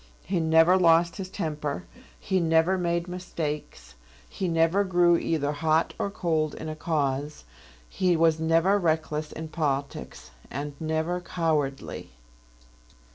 He never lost his temper. He never made mistakes. He never grew either hot or cold in a cause. He was never reckless in politics, and never cowardly.